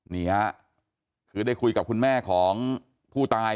นี่ฮะคือได้คุยกับคุณแม่ของผู้ตาย